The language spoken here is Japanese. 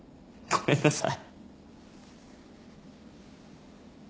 ごめんなさい。